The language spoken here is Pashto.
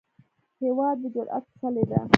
هېواد د جرئت څلی دی.